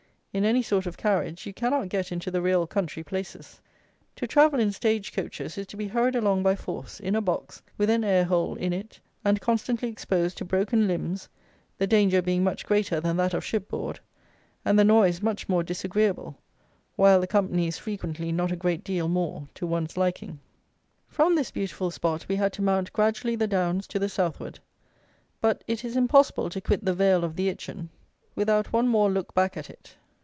In any sort of carriage you cannot get into the real country places. To travel in stage coaches is to be hurried along by force, in a box, with an air hole in it, and constantly exposed to broken limbs, the danger being much greater than that of ship board, and the noise much more disagreeable, while the company is frequently not a great deal more to one's liking. From this beautiful spot we had to mount gradually the downs to the southward; but it is impossible to quit the vale of the Itchen without one more look back at it.